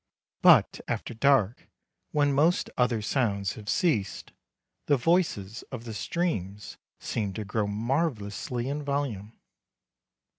But after dark, when most other sounds have ceased, the voices of the streams seem to grow marvellously in volume.